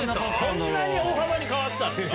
こんなに大幅に変わってたんだよ。